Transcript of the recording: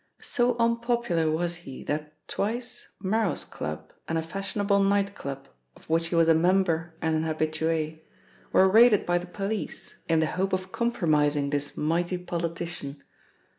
So unpopular was he that twice Merros Club and a fashionable night club of which he was a member and an habitue, were raided by the police in the hope of compromising this mighty politician.